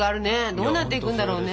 どうなっていくんだろうね。